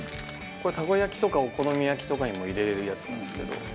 たこ焼きとかお好み焼きとかにも入れられるやつなんですけど。